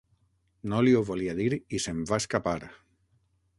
No li ho volia dir i se'm va escapar.